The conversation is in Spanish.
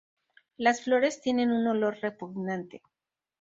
Las flores tienen un olor repugnante.